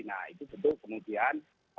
nah itu tentu kemudian